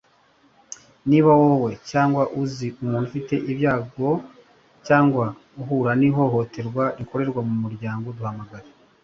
Niba wowe cyangwa uzi umuntu ufite ibyago cyangwa uhura n’ihohoterwa rikorerwa mu muryango duhamagare